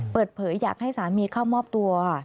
เปิดเผยอยากให้สามีเข้ามอบตัว